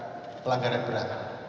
ada pelanggaran berat